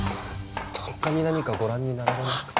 他に何かご覧になられますか？